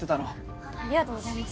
ありがとうございます。